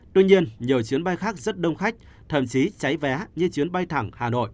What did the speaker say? tuy nhiên nhiều chuyến bay khác rất đông khách thậm chí cháy vé như chuyến bay thẳng hà nội